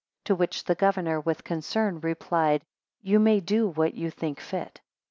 To which the governor, with concern, replied, You may do what you think fit.